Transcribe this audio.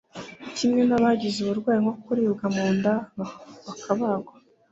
kimwe n’abagize uburwayi nko kuribwa mu nda bakabagwa